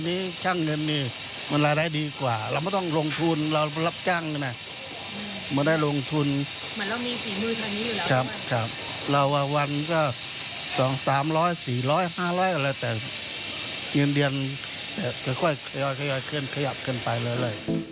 เงินเดียนค่อยขยับขึ้นไปเร็ว